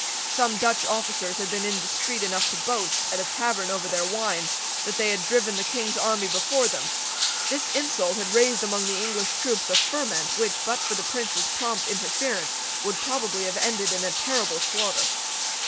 Some Dutch officers had been indiscreet enough to boast, at a tavern over their wine, that they had driven the King's army before them. This insult had raised among the English troops a ferment which, but for the Prince's prompt interference, would probably have ended in a terrible slaughter.